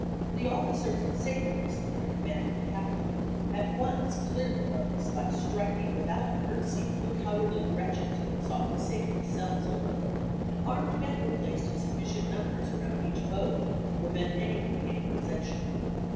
The officers and sailors, under command of the captain, at once cleared the boats by striking without mercy the cowardly wretches who had sought to save them selves alone, and armed men were placed in sufficient numbers around each boat to prevent any one getting possession.